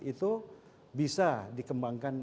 itu bisa dikembangkan